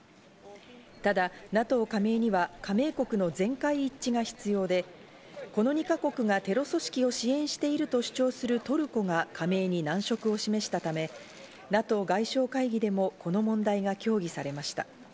ただ、ＮＡＴＯ加盟には加盟国の全会一致が必要で、この２か国がテロ組織を支援していると主張するトルコが加盟に難色を示したため、ＮＡＴＯ外相会議でもこの問題が協議されました。